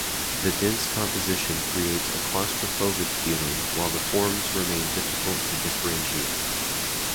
The dense composition creates a claustrophobic feeling while the forms remain difficult to differentiate.